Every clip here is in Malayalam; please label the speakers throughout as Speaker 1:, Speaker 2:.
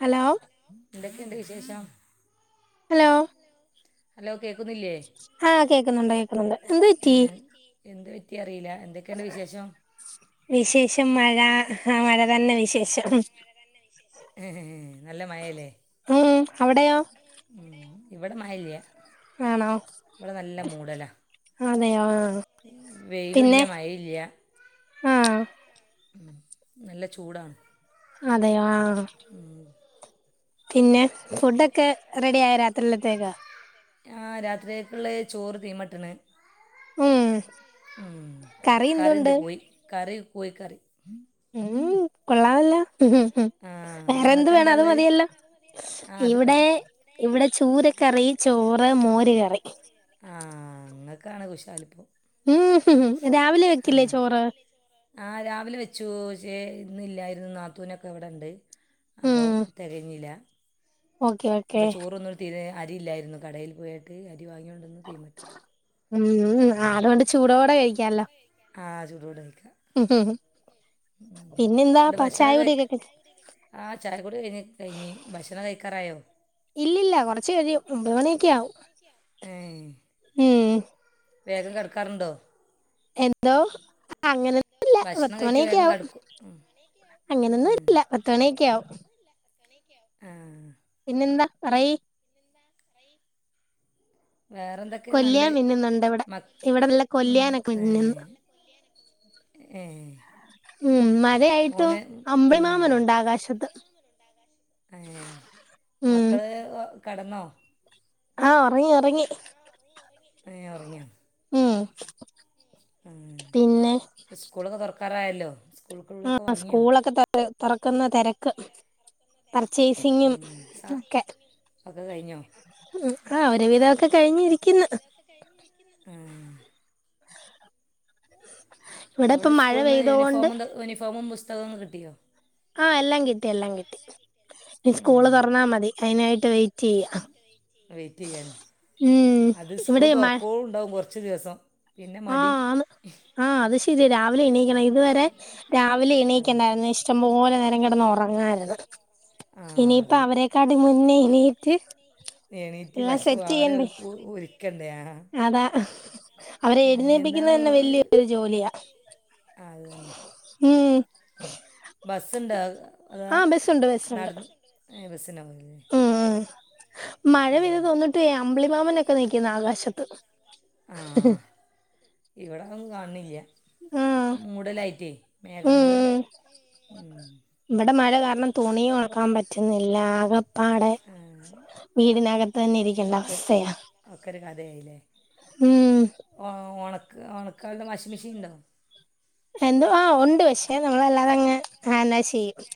Speaker 1: ഹലോ
Speaker 2: എന്തൊക്കെയുണ്ട് വിശേഷം?
Speaker 1: ഹലോ
Speaker 2: ഹലോ കേക്കുന്നില്ലേ?
Speaker 1: ആഹ് കേക്കുന്നു
Speaker 2: ആ കേക്കുന്നുണ്ടായിരുന്നു ഏ, എന്ത് പറ്റി അറീല, എന്തൊക്കെയുണ്ട് വിശേഷം?
Speaker 1: വിശേഷം മഴ... ആ
Speaker 2: വിശേഷം
Speaker 1: തന്നെ
Speaker 2: മഴ
Speaker 1: വിശേഷം
Speaker 2: അങ്ങനെ തന്നെ വിശേഷംഏ ഏ നല്ല മയേലെ?
Speaker 1: ഉം, അവിടെയോ?
Speaker 2: ഉം ഇവിടെ മഴ ഇല്ല്യ,
Speaker 1: ആണോ
Speaker 2: ഇവിടെ നല്ല മൂടല.
Speaker 1: അതെയോ ആഹ് പിന്നെ
Speaker 2: വെയിലുല്ല്യ, മയില്ല്യ
Speaker 1: ആഹ്
Speaker 2: ഉം, നല്ല ചൂടാണ്.
Speaker 1: അതെ യാ പിന്നെ ഫുഡൊക്കെ റെഡി ആയോ രാത്രിലത്തേക്ക്?
Speaker 2: ആഹ് രാത്രികക്കുള്ളത് ചോറ് തീമട്ട് ക്ക്ണ്.
Speaker 1: ഉം
Speaker 2: ഉം,
Speaker 1: കറി
Speaker 2: കറിണ്ട്
Speaker 1: എന്തുണ്ട്
Speaker 2: കോയി, കറി കോയിക്കറി.
Speaker 1: ഉം, കൊള്ളാവല്ലോ. ഉം,
Speaker 2: ആ
Speaker 1: വേറെന്ത്
Speaker 2: നിങ്ങൾക്ക്
Speaker 1: വേണം,
Speaker 2: എന്താ
Speaker 1: അത്
Speaker 2: ഉള്ളത്
Speaker 1: മതിയല്ലൊ,
Speaker 2: ആ അത്
Speaker 1: ഇവിടെ...
Speaker 2: മതി
Speaker 1: ഇവിടെ ചൂരക്കറി, ചോറ്, മോര് കറി.
Speaker 2: ആഹ്, ഇങ്ങക്കാണ് കുശാലിപ്പൊ.
Speaker 1: ഉം ഉം, രാവിലെ വെക്കില്ലേ ചോറ്?
Speaker 2: ആഹ, രാവിലെ വെച്ചു പക്ഷേ ഇന്നില്ലായിരുന്നു, നാത്തൂനൊക്കെ ഇവിടെ ഉണ്ട്. അപ്പൊ
Speaker 1: ഉം
Speaker 2: തെകഞ്ഞീല,
Speaker 1: ഓക്കെ ഓക്കെ
Speaker 2: അപ്പൊ ചോറൊന്ന് തീരെ അരി ഇല്ലായിരുന്നു, കടയിൽ പോയിട്ട് അരി വാങ്ങിവന്നു തീമട്ട്.
Speaker 1: ഉം ഉം ആതോണ്ട്.
Speaker 2: ചൂടോടെകഴിക്കാം ആ ചൂടോടെ കഴിക്കാം. ഉം.
Speaker 1: പിന്നെന്താ പ ചായ കുടി ഒക്കെ കഴി
Speaker 2: ആഹ് ചായക്കുടി കഴഞ്ഞി കഴിഞ്ഞി ഭക്ഷണം കഴിക്കാറായോ.
Speaker 1: ഇല്ലല്ലാ, കുറച്ച് കഴിയും ഒൻമ്പത് മണിയൊക്കെ ആവും
Speaker 2: ഏ
Speaker 1: ഉം.
Speaker 2: വേഗം കടക്കാറുണ്ടോ?
Speaker 1: എന്തോ അങ്ങനൊന്നുല്ലാ,
Speaker 2: ഭക്ഷണം കഴിച്ച്
Speaker 1: പത്തുമണിയൊക്കെ
Speaker 2: വേഗം
Speaker 1: ആവും.
Speaker 2: കിടക്കും ഉം.
Speaker 1: അങ്ങനെന്നുല്ലാ, പത്തുമണിയൊക്കെ ആവും.
Speaker 2: എണിക്കാൻ ആഹ്
Speaker 1: പിന്നെന്താ, പറയ്.
Speaker 2: വേറെന്തൊ ക്കേ
Speaker 1: കൊല്ലിയാൻ
Speaker 2: നല്ലത്
Speaker 1: മിന്നുന്നുണ്ട് ഇവിടെ
Speaker 2: മക്ക്
Speaker 1: ഇവിടെ നല്ല
Speaker 2: ഉം
Speaker 1: കൊല്ലിയാനൊക്കെ മിന്നുന്നു
Speaker 2: ഏഹ് ഏഹ്
Speaker 1: ഉം, മഴയായിട്ടും. അമ്പളിമാമനുണ്ട് ആകാശത്ത്.
Speaker 2: ഏഹ്
Speaker 1: ഉം
Speaker 2: മക്കള് കെടന്നോ.
Speaker 1: ആഹ്, ഒറങ്ങി ഒറങ്ങി.
Speaker 2: ഏഹ് ഒറങ്ങിയോ
Speaker 1: ഉം.
Speaker 2: ഉം,
Speaker 1: പിന്നെ
Speaker 2: സ്കൂളെക്കെ തുറക്കാറായല്ലോ. സ്കൂൾക്കുള്ളതൊക്കെ
Speaker 1: ആഹ്,
Speaker 2: വാങ്ങിയോ
Speaker 1: സ്കൂളൊക്കെ തൊറക്കുന്ന തെരക്ക്. പർച്ചെയ്സിങ്ങിം
Speaker 2: സ
Speaker 1: ഒക്കെ.
Speaker 2: ഒക്കെ കഴിഞ്ഞോ
Speaker 1: ഉം ആ ഒരുവിതൊക്കെ കഴിഞ്ഞിരി
Speaker 2: ഒരു വിധം ഒക്കെ കഴിഞ്ഞിരിക്കുന്ന് ആഹ്.
Speaker 1: ഇവിടെ
Speaker 2: അവിടെ
Speaker 1: ഇപ്പം മഴ
Speaker 2: സ്കൂൾന്ന്
Speaker 1: പെയ്തോണ്ട്
Speaker 2: യൂണീഫോമും തെ യൂണിഫോമും പുസ്തകം കിട്ടിയോ
Speaker 1: ആഹ്, എല്ലാം കിട്ടി എല്ലാം കിട്ടി. ഇനി സ്കൂള് തുറന്നാ മതി അതിനായിട്ട് വൈ
Speaker 2: അതിനായിട്ട് വെയിറ്റ്ച്ചെയ്യാണ്.
Speaker 1: ഉം
Speaker 2: അത് സ്കൂൾ
Speaker 1: ഇവിടെ
Speaker 2: തുറക്കേളണ്ടാവും. കൊറച്ച് ദിവസം. പിന്നെ
Speaker 1: ആഹ്.
Speaker 2: മടി
Speaker 1: ആന്ന് ആ അത് ശെര്യ രാവിലെ എണീക്കെണം. ഇതുവരെ രാവിലെ എണീക്കണ്ടായിരുന്നു. ഇഷ് ച്ചം പേലെ നേരം കിടന്ന് ഒറങ്ങായിര്ന്ന്.
Speaker 2: ആഹ്. ആഹ് അതെ,
Speaker 1: എണീറ്റ്
Speaker 2: എണീറ്റ്
Speaker 1: എല്ലാം
Speaker 2: പക്ഷേ
Speaker 1: സെറ്റ്
Speaker 2: അവരെ
Speaker 1: ചെയ്യണ്ടേ
Speaker 2: ഓ ഓര്. ര്ക്കണ്ടേ
Speaker 1: അതാ. അവരെ
Speaker 2: എന്താണ്
Speaker 1: എഴുന്നേപ്പിക്കുന്നതെന്നെ വലൃയൊരു ജോലിയാ, ഉം.
Speaker 2: ബസ്സുണ്ടാ അതാ
Speaker 1: ആ ബസ്സുണ്ട് ബസ്സുണ്ട്
Speaker 2: നടന്ന് ഏ ബസ്സിനൊ
Speaker 1: മഴപെയ്ത് തോർന്നിട്ടു ഏ അമ്പിളിമാമനൊക്കെ നിക്കുന്നു. ആകാശത്ത്.
Speaker 2: ആ ഇവിടെ ഒന്നും കണ്ല്ല
Speaker 1: ഉം
Speaker 2: മൂടലായിറ്റേ
Speaker 1: ഉം
Speaker 2: മേഘങ്ങളും
Speaker 1: ഉം
Speaker 2: ഉം.
Speaker 1: ഇവിടെ മഴ കാരണം തുണിയും ഒണക്കാൻ പറ്റുന്നില്ലാ, ആകെ. പാടെ
Speaker 2: ആ,
Speaker 1: വീടിനകത്തെന്നെ ഇരിക്കെണ്ട
Speaker 2: ഒക്കെ ഒരു
Speaker 1: അവസ്ഥയാ.
Speaker 2: ഒക്കെ ഒരു കഥയായില്ലേ
Speaker 1: ഉം.
Speaker 2: ഓ ഒണക്ക് ഒണക്കാള്ള വാഷിംഗ് മിഷീൻ ണ്ടോ.
Speaker 1: എന്തുവാ ഉണ്ട് പക്ഷേ നമ്മളല്ലാതങ്ങനെ ഹാനെ ചെയ്യും.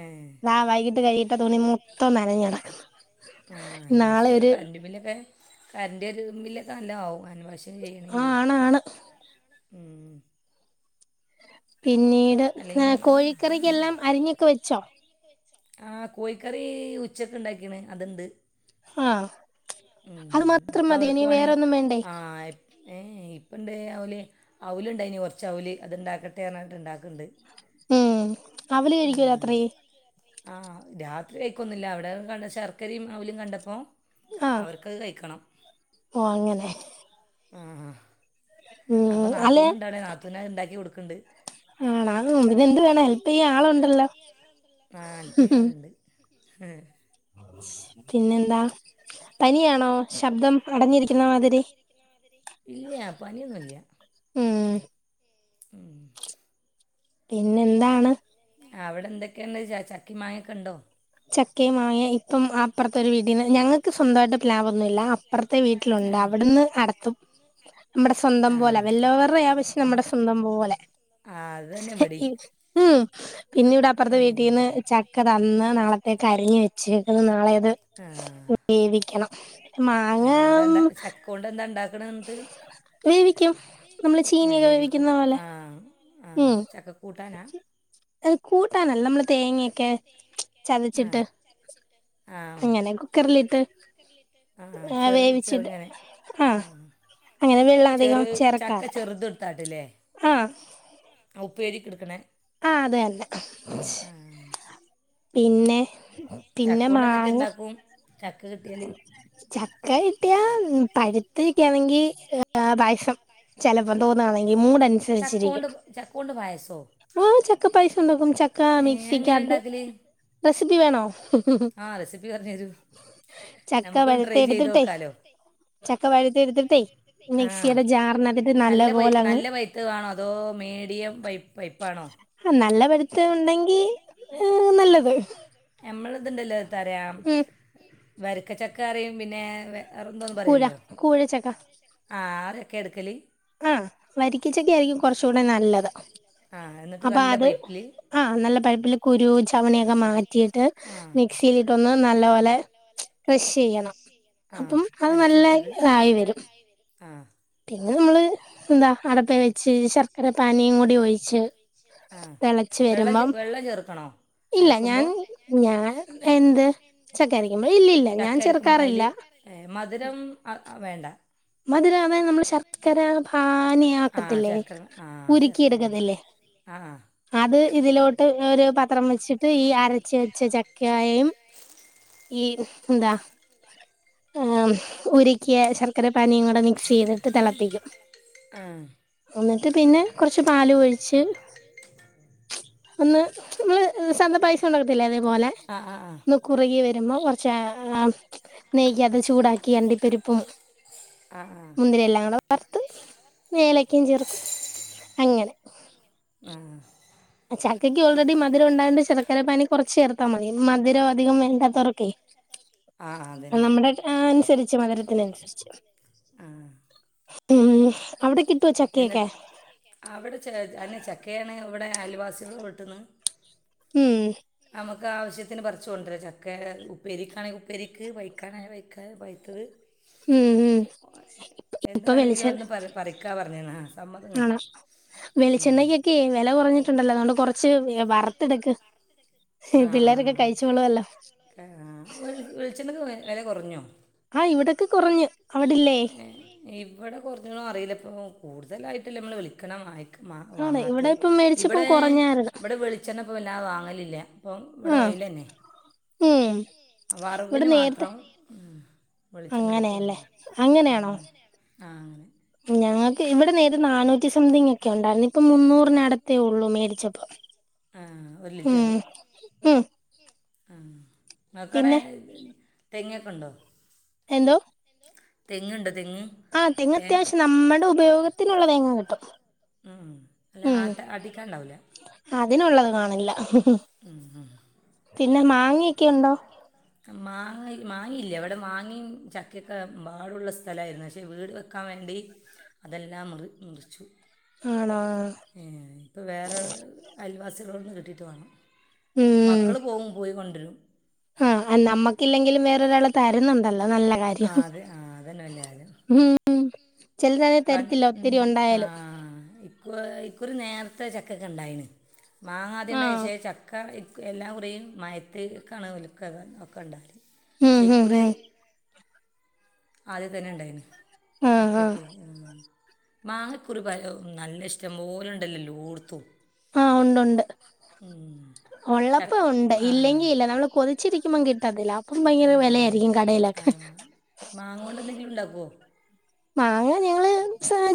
Speaker 2: ഏഹേ
Speaker 1: ദാ വൈകിട്ട് കഴ്കിയിട്ട തുണി മൊത്തം നനഞ്ഞ് കെടക്ക്ന്ന്.
Speaker 2: ആഹ്
Speaker 1: നാളെ
Speaker 2: ഹാൻവാശെയ്യാൻ
Speaker 1: ഒരു
Speaker 2: കറണ്ടും ബില്ലൊക്കെ. കറന്റ് ബില്ലെക്കെ നല്ലോം ആവും അൻവാശിംഗ്
Speaker 1: ആ
Speaker 2: ചെയ്യണെങ്കിലെ
Speaker 1: ആണാണ്
Speaker 2: ഉം.
Speaker 1: പിന്നീട് ആ
Speaker 2: അല്ലെങ്കിൽ
Speaker 1: കോഴിക്കറിക്കെല്ലാം അരിഞ്ഞൊക്കെ, വെച്ചോ?
Speaker 2: ആഹ്, കോഴിക്കറി ഉച്ചക്ക് ഇണ്ടാക്കിണ് അത്ണ്ട്.
Speaker 1: ആഹ് അത്
Speaker 2: ഉം
Speaker 1: മാത്രം മതിയോ ഇനി
Speaker 2: ഇപ്പവർക്ക് പണി
Speaker 1: വേറൊന്നും വേണ്ടേ
Speaker 2: ആ ഏയ് ഏയ്, ഇപ്പെണ്ട് ഓല് അവുല് ഇണ്ടായിനി കെർച്ച് അവല് അത്ണ്ടാക്കട്ടെ പറഞ്ഞാട്ട് ഇണ്ടാക്ക്ണ്ട്.
Speaker 1: ഉം അവുല് കഴിക്കോ രാത്രി?
Speaker 2: ആഹ് രാത്രി കയിക്കൊന്നുല്ല അവിടെ കണ്ട ശർക്കരിം അവുലും കണ്ടപ്പോ
Speaker 1: ആഹ്
Speaker 2: അവർക്കത് കഴിക്കണം
Speaker 1: ഓ അങ്ങനെ
Speaker 2: ആഹ് അപ്പൊ
Speaker 1: ഉം അല്ലെ
Speaker 2: നാത്തൂന് ഇണ്ടവ്ടെ നാത്തൂന് അത് ഇണ്ടാക്കി കൊടുക്ക്ണ്ട്.
Speaker 1: ആണോ? അതുണ്ട് പിന്നെന്ത് വേണം ഹെല്പ് ചെയ്യാൻ ആളുണ്ടല്ലോ?
Speaker 2: ഹഹ
Speaker 1: പിന്നെന്താ? പനിയാണോ? ശബ്ദം അടഞ്ഞിരിക്കുന്ന
Speaker 2: ശബ്ദം
Speaker 1: മാതിരി
Speaker 2: അടഞ്ഞിരിക്കുന്ന മാതിരി? ഇല്ല്യ പനിയൊന്നുല്ല
Speaker 1: ഉം
Speaker 2: ഉം
Speaker 1: പിന്നെ എന്താണ്?
Speaker 2: അവിടെ എന്തെക്കെണ്ട് ച ചക്കിം, മാങ്ങിയൊക്കെ ഇണ്ടോ?
Speaker 1: ചക്കയും, മാങ്ങയും ഇപ്പം അപ്പുറത്തെ ഒരു വീട്ടീന്ന് ഞങ്ങ ക്ക് സ്വന്തവായിട്ട് പ്ലാവൊന്നും ഇല്ല അപ്പുറത്തെ
Speaker 2: ആ
Speaker 1: വീട്ടിലുണ്ട് അവിടുന്ന് അടത്തും നമ്മടെ സ്വന്തം
Speaker 2: ആ
Speaker 1: പോലെയ വെല്ലവര്ടയാ പക്ഷേ നമ്മുടെ സ്വന്തം പോലെ
Speaker 2: ആഹ് അത് തന്നെ ഇവിടെയും
Speaker 1: ഉം പിന്നിവിടെ
Speaker 2: ഏ
Speaker 1: അപ്പുറത്തെ വീട്ടിന്ന് ചക്ക തന്ന് നാളെ ത്തേക്ക് അരിഞ്ഞ് വെച്ചേക്ക്ന്ന് നാളെ അത് വേവിക്കണം മാങ്ങ
Speaker 2: ഏഹ് എന്താ ചക്കോണ്ട് എന്താ ഇണ്ടാക്ക്ണെ എന്ന്ട്ട്?
Speaker 1: വേവിക്കും നമ്മള് ചീനിയൊക്കെ
Speaker 2: വേവിക്കും
Speaker 1: വേവിക്കുന്ന പോലെ
Speaker 2: ആഹ് ആഹ്
Speaker 1: ഉം
Speaker 2: ചക്കക്കൂട്ട
Speaker 1: അത് കൂട്ടാനല്ല നമ്മള് തേങ്ങയൊക്കെ ചതച്ചിട്ട്
Speaker 2: ആഹ്
Speaker 1: അങ്ങനെ കുക്കറിലിട്ട്
Speaker 2: ആഹ് ചെ
Speaker 1: വേവിച്ചിട്ട്
Speaker 2: ചെറുങ്ങനെ ആഹ് ആഹ്
Speaker 1: അങ്ങനെ വെള്ളം അധികം
Speaker 2: ചെറു ചക്ക
Speaker 1: ചേർക്കാതെ
Speaker 2: ചെറുതെടുത്താട്ട്ല്ലേ?
Speaker 1: ആഹ്
Speaker 2: ളപ്പേരിക്ക്ട്ക്കണേ
Speaker 1: ആഹ് അത് തന്നെ
Speaker 2: ആഹ് മന
Speaker 1: പിന്നെ? പിന്നെ
Speaker 2: ചക്കോണ്ട് എന്തൊക്കെ
Speaker 1: മാങ്ങ
Speaker 2: ഇണ്ടാക്കും? ചക്ക കിട്ടിയാല്
Speaker 1: ചക്ക കിട്ടിയ പഴുത്തയക്കെ ആണെങ്കി ഏഹ് പായസം ചെലപ്പ തോന്നാണെങ്കി മൂട് അനുസരിച്ച്
Speaker 2: ചാക്കോണ്ട് ചാക്കോണ്ട് പായസോ?
Speaker 1: ആഹ് ചക്ക പായസം ഉണ്ടാക്കും ചക്ക
Speaker 2: ഏഹേ അത് എങ്ങനെ
Speaker 1: മിക്സിക്കകത്ത്
Speaker 2: ഇണ്ടാക്കല്? റെസിപ്പി വേണോ? ആഹ് റെസിപ്പി പറഞ്ഞ് തരു
Speaker 1: ചക്ക
Speaker 2: നമ്മക്കൊന്ന്
Speaker 1: പഴുത്ത
Speaker 2: ട്രൈ ചെയ്ത്
Speaker 1: എടുത്തിട്ടേ
Speaker 2: നോക്കാലോ
Speaker 1: പഴുത്ത
Speaker 2: ചക്ക
Speaker 1: എടുത്തിട്ടേ
Speaker 2: പഴുത്തെ എടുത്തിട്ടെ ആഹ് മിക്സിയുടെ
Speaker 1: ജാറിനകത്തിട്ട്
Speaker 2: ജാറ് നല്ല
Speaker 1: പോലെ
Speaker 2: പഴുത്തെ
Speaker 1: അങ്ങ്
Speaker 2: നല്ല പഴുത്തെ വേണോ? അതോ മീഡിയം പഴുപ്പ് പഴുപ്പാണോ?
Speaker 1: ആ നല്ല പഴുത്ത ഉണ്ടെങ്കി ഏ നല്ലത്
Speaker 2: നമ്മള്തുണ്ടല്ലോ തരാം
Speaker 1: ഉം
Speaker 2: വരിക്കച്ചക്കറിയും പിന്നെ വേറെ എന്തോന്നും പറയല്ലോ കൂഴ കൂഴ ചക്ക ആ ചക്ക എടുക്കല്
Speaker 1: ആഹ് വരിക്കിച്ചക്ക ആയിരിക്കും കുറച്ചൂടെ നല്ലത്
Speaker 2: ആ എന്നിട്ട്
Speaker 1: അപ്പൊ
Speaker 2: നല്ല
Speaker 1: അത്
Speaker 2: പൈപ്പിൽ
Speaker 1: ആഹ് നല്ല പഴിപ്പില് കുരു ചവിണിയൊക്കെ മാറ്റിയിട്ട്
Speaker 2: ആ
Speaker 1: മിക്സിയിലിട്ടൊന്ന് നല്ല പോലെ ക്രഷ് ചെയ്യണം
Speaker 2: ആ
Speaker 1: അപ്പം അത് നല്ല ഇതായി വരും
Speaker 2: ആഹ്
Speaker 1: പിന്നെ നമ്മള് എന്താ അടപ്പെ വെച്ച് ശർക്കര പാനീം കൂടി ഒഴിച്ച്
Speaker 2: ആ
Speaker 1: തെള
Speaker 2: വെള്ളം ചെ വെള്ളം ചേർക്കണോ
Speaker 1: ഇല്ല ഞാൻ
Speaker 2: അരക്കുമ്പോൾ
Speaker 1: ഞാൻ എന്ത് ചക്കരക്കുമ്പോ ഇല്ലില്ല ഞാൻ ചേർക്കാറില്ല
Speaker 2: ഏ മധുരം ആ ആ വേണ്ട
Speaker 1: മതിര അതെ നമ്മള് ശർക്കര പാനിയാ
Speaker 2: ആ
Speaker 1: ക്കത്തില്ലേ
Speaker 2: ശർക്കര ആ
Speaker 1: ഉരുക്കി
Speaker 2: ശർക്കര വേണം
Speaker 1: എടുക്കത്തില്ലെ
Speaker 2: ആ
Speaker 1: അത് ഇതിലോട്ട് ഒരു പാത്രം വെച്ചിട്ട് ഈ അരച്ച് വെച്ച ചക്കയും ഈ എന്താ ഏഹ് ഉരിക്കിയ ശർ ക്കര പാനിയും കൂടെ മിക്സ് ചെയ്തിട്ട് തെളപ്പിക്കും
Speaker 2: ആ ഒന്ന്
Speaker 1: എന്നിട്ട് പിന്നെ കൊറച്ച് പാലും ഒഴിച്ച് ഒന്ന് നമ്മള് സാധാ പായസം ഒണ്ടാക്കത്തില്ലേ അതേ പോലെ
Speaker 2: ആ ആ അതുപോലെ.
Speaker 1: മു കുറുകി വെരുമ്പോ കൊറച്ച് നെയ്യ് അത് ചൂടാക്കി അണ്ടിപ്പരിപ്പും
Speaker 2: ആഹ് ആഹ്
Speaker 1: പിന്നെ എല്ലാം കൂടെ വറത്ത് ഏലക്കേം ചേർക്കും അങ്ങനെ
Speaker 2: ആഹ്
Speaker 1: ആഹ് ചക്കക്ക് ഓൾറെഡി മധുരം ഒണ്ടായ കൊണ്ട് ശർക്കര പാനി കൊറച്ച് ചേർ ത്താ മതി മധുരം അധികം വേണ്ടാത്തവർക്കേ
Speaker 2: ആ അതന്നെ
Speaker 1: നമ്മുടെ അനുസരിച്ച് മധുരത്തിന് അനുസരിച്ച് ച്ച്
Speaker 2: ആഹ്
Speaker 1: ഉം അവിടെ കിട്ടുവോ
Speaker 2: എന്ന്
Speaker 1: ചക്കയൊക്കെ
Speaker 2: കിട്ടുവോ ചക്കയൊക്കെ അവിടെ ച അന്നെ ചക്കയാണ് ഇവിടെ അയൽവാസികൾ വെട്ട്ന്ന്
Speaker 1: ഉം
Speaker 2: നമ്മുക്കാവശ്യത്തിന് പറിച്ചോണ്ട് വരാം ചക്കേ ഉപ്പേരിക്കണേ ഉപ്പേരിക്ക് വെയ്ക്കാന വെയ്ക്കാൻ പയ്ത്തത്
Speaker 1: ഉം ഉം
Speaker 2: എന്ത്
Speaker 1: ഇപ്പൊ
Speaker 2: വേണെങ്കിലും
Speaker 1: വെളിച്ചം
Speaker 2: അവിടന്ന് പറിയ് പറിയ്ക്കാ പറഞ്ഞേന്നാ
Speaker 1: ആണോ വെളിച്ചെണ്ണക്കൊക്കെ വെല കൊറഞ്ഞ് ട്ട്ണ്ടല്ലാ അതോണ്ട് കൊറച്ച് വെ വറത്തെടുക്ക് പിള്ളേരൊക്കെ കഴിച്ചോള്ളുവല്ലൊ
Speaker 2: ക ആഹ് വെളി വെളിച്ചെണ്ണക്ക് വെല കൊറഞ്ഞോ
Speaker 1: ആഹ് ഇവിടെക്കെ കൊറഞ്ഞ് അവിടില്ലേ
Speaker 2: ഏ, ഇവിടെ കൊറഞ്ഞോന്നറിയില്ല ഇപ്പോൾ കൂടുതലായിട്ടില്ല മ്മള് വെളിക്കെണ വാങ്ങി
Speaker 1: ആണ് ഇവിടെ
Speaker 2: വാങ്ങാത്തത്
Speaker 1: ഇപ്പം മേടിച്ചപ്പം
Speaker 2: ഇവിടെ
Speaker 1: കുറഞ്ഞായിരുന്നു
Speaker 2: ഇവിടെ വിളിച്ചെണ്ണ ഇപ്പം വല്ലാതെ വാങ്ങലില്ല അപ്പം ഇവിടെ
Speaker 1: ആ
Speaker 2: ഓയില് തന്നെ
Speaker 1: ഉം ഇവിടെ
Speaker 2: വറവിന്
Speaker 1: നേരത്തെ
Speaker 2: മാത്രം ഉം വെളിച്ചെണ്ണ
Speaker 1: അങ്ങനെയല്ലേ
Speaker 2: എടുക്കുവാര്ന്ന് ആഹ് ആ അങ്ങനെ
Speaker 1: ഞങ്ങക്ക് ഇവിടെ നേരെ നാനൂറ്റി സംതിങ് ഒക്കെ ഒണ്ടായിരുന്ന് ഇപ്പ മുന്നൂറിന് അടത്തേ ഒള്ളൂ മേടിച്ചപ്പോ
Speaker 2: ആഹ് ഒരു
Speaker 1: ഉം
Speaker 2: ലിറ്ററ്
Speaker 1: ഉം
Speaker 2: ആഹ് നിങ്ങക്ക്‌ അവിടെ
Speaker 1: പിന്നെ
Speaker 2: തെങ്ങ് ഒക്കെ ഒണ്ടോ
Speaker 1: എന്തോ
Speaker 2: തെങ്ങ് ണ്ട് തെങ്ങ്
Speaker 1: ആ തെങ്ങ്
Speaker 2: തേ
Speaker 1: ത്യാവശ്യം നമ്മടെ ഉപയോഗത്തിന് ഒള്ള തേങ്ങ കിട്ടും
Speaker 2: മ് ല്ല ആട്ട ആട്ടിക്കാൻ ണ്ടാവുല
Speaker 1: അതിന് ഒള്ളത് കാണില്ല
Speaker 2: ഉം, ഉം.
Speaker 1: പിന്നെ മാങ്ങേക്ക ണ്ടോ
Speaker 2: [unintelligible] മാങ്ങ മാങ്ങി ഇല്ല അവിടെ മാങ്ങേ ചക്ക ഒക്കെ മ്പാടുള്ള സ്ഥലായിരുന്നു പക്ഷെ വീട് വെക്കാൻ വേണ്ടി അതെല്ലാം റി മുറിച്ചു
Speaker 1: ആണ
Speaker 2: മ് ഇപ്പം വേറെ അയൽവാസികളോട്ന്ന് കിട്ടിയിട്ട് വേണം മക്കള് പോകും പോയി കൊണ്ടരും
Speaker 1: ആ നമ്മക്ക്‌ ഇല്ലെങ്കിലും വേറെ ഒരാള് തരുന്ന് ണ്ടല്ലോ അത് നല്ല
Speaker 2: ആ
Speaker 1: കാര്യം
Speaker 2: അത് ആ അതന്നെ വല്യ കാര്യം
Speaker 1: മ്
Speaker 2: പ മ് ആ ഈ ഇക്കുറി നേരത്തെ ചക്ക ഒക്കെ ണ്ടായിണ് മാങ്ങാ ആദ്യം ഒണ്ടായിന്
Speaker 1: ആഹ്
Speaker 2: പക്ഷെ ചക്ക ക്ക്‌ എല്ലാ മുറിയും മയത്ത് ക്കണ് ഓലികക്കെ ‌ ഒക്കെ ണ്ടാവല്
Speaker 1: ഉം
Speaker 2: ശേ
Speaker 1: ഉം
Speaker 2: ഇക്കുറി
Speaker 1: ഉം
Speaker 2: ആദ്യ തന്നെ ണ്ടായിന്
Speaker 1: ആഹ് ആഹ്
Speaker 2: ചക്കയൊക്കെ മ് മാങ്ങ ഇക്കുറി പല നല്ല ഇഷ്ടം പോലെ ണ്ടല്ലോ എല്ലോട്‌ത്തും
Speaker 1: ആ ഒണ്ട് ഒണ്ട്
Speaker 2: മ്
Speaker 1: ഒള്ളപ്പ ണ്ട് ഇല്ലെങ്കിൽ ഇല്ല നമ്മള് കൊതിച്ച് ഇരിക്കുമ്പം കിട്ടത്തില്ല അപ്പം
Speaker 2: ആ
Speaker 1: ഭയങ്കര വെല ആയിരിക്കും
Speaker 2: ആ
Speaker 1: കടയിലൊക്കെ
Speaker 2: മാങ്ങ കൊണ്ട് എന്തെങ്കിലും ണ്ടാക്കുവോ
Speaker 1: മാങ്ങ ഞങ്ങള്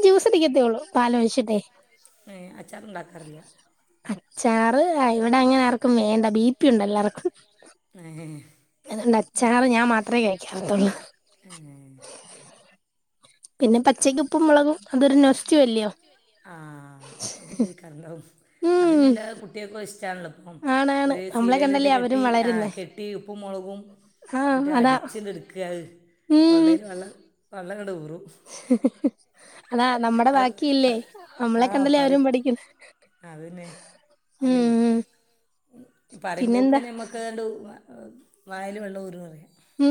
Speaker 1: ജ്യൂസ് അടിക്കത്തേയുള്ളൂ പാലൊഴിച്ചിട്ടേ
Speaker 2: ഏ അച്ചാർ ണ്ടാക്കാറില്ല
Speaker 1: അച്ചാറ് അ ഇവിടെ അങ്ങനെ ആർക്കും വേണ്ട ബി പി ഉണ്ട് എല്ലാർക്കും
Speaker 2: ഏ
Speaker 1: അതൊണ്ട് അച്ചാറ് ഞാൻ മാത്രമേ കഴിക്കാത്തൊള്ളൂ
Speaker 2: ഏ
Speaker 1: പിന്നെ പച്ചക്കുപ്പും മുളകും അതൊരു നൊസ്റ്റു അല്ലയോ
Speaker 2: ആ അതുപയോഗിക്കാറുണ്ടാവും
Speaker 1: ഉം
Speaker 2: അതിനല്ലാ കുട്ട്യാൾക്കും ഇഷ്ട്ടാണല്ലോ മ്
Speaker 1: ആണാണ്
Speaker 2: ഒര്
Speaker 1: നമ്മളെ
Speaker 2: ഷീലേലിട്ട്
Speaker 1: കണ്ടല്ലേ അവരും
Speaker 2: കെട്ടി ആ
Speaker 1: വളരുന്നേ
Speaker 2: കെട്ടി ഉപ്പും മുളകും
Speaker 1: ആഹ്
Speaker 2: എന്നിട്ട്
Speaker 1: അതാ
Speaker 2: അടിച്ചിണ്ട് എട്ക്ക ആ
Speaker 1: ഉം
Speaker 2: തൊള്ളേല് വെള്ളം വെള്ളം ങ്ങട്ട് ഉറും.
Speaker 1: അതാ നമ്മടെ
Speaker 2: അത്
Speaker 1: ബാക്കിയല്ലേ
Speaker 2: അത് ആ
Speaker 1: നമ്മളൊക്കെ കണ്ടെല്ലേ അവരും
Speaker 2: പറയും
Speaker 1: പഠിക്കണെ
Speaker 2: അതന്നെ അല്ലേ
Speaker 1: പിന്നെന്താ
Speaker 2: പറയുമ്പോക്ക്നെ നമ്മക്ക് ആണ്ട് ഉ മ വായേൽ വെള്ളം ഊറും പറിയാ
Speaker 1: മ്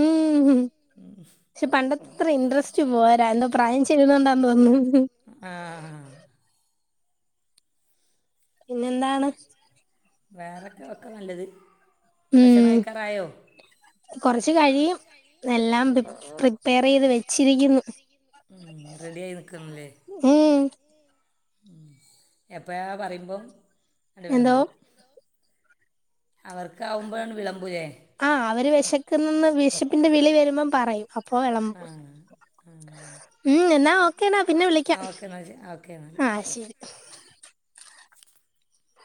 Speaker 1: മ് പക്ഷെ പണ്ടത്തെ അത്ര ഇൻട്രസ്റ്റ് പോ ര എന്താ പ്രായം ചെയ്യുന്നതോണ്ടാന്ന് തോന്നുന്നു.
Speaker 2: ആ
Speaker 1: പിന്നെന്താണ്
Speaker 2: വേറൊക്കെ ഒക്കെ നല്ലത്. ഭക്ഷണം
Speaker 1: ഉം
Speaker 2: കഴിക്കാറായോ
Speaker 1: കൊറച്ച് കഴിയും എല്ലാം പ്രി പ്രിപ്പയർ ചെയ്ത് വെച്ചിരിക്ക്ന്ന്
Speaker 2: മ് റെഡി ആയി നിക്ക്ന്ന്ലേ
Speaker 1: മ്
Speaker 2: എപ്പഴാ പറയുമ്പം ആണ്ട്
Speaker 1: എന്തോ
Speaker 2: വെളമ്പും. അവർക്കാവുമ്പോ ആണ്ട് വിളമ്പുലേ?
Speaker 1: ആ, അവര് വെശക്ക്ന്ന്ന്ന്‌ വിഷപ്പിന്റെ വിളി വരുമ്പ പറയും അപ്പൊ
Speaker 2: ആ
Speaker 1: വിളമ്പും ഉം എന്നാ ഓക്കേ എന്നാ പിന്നെ വിളിക്കാം
Speaker 2: ആ ഓക്കെ എന്നാൽ ഓക്കെ എന്നാൽ
Speaker 1: ആഹ് ശരി.